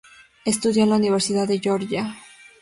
Estudió en la Universidad de Georgia.